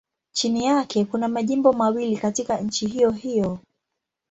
Chini yake kuna majimbo mawili katika nchi hiyohiyo.